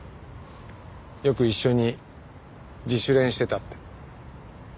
よく一緒に自主練してたって。